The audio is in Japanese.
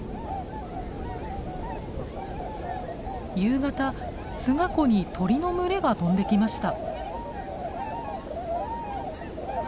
夕方菅湖に鳥の群れが飛んできました。